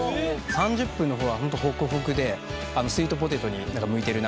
３０分の方は本当ホクホクでスイートポテトに向いてるなっていう感じで。